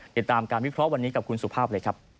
ติดตามการวิเคราะห์วันนี้กับคุณสุภาพเลยครับ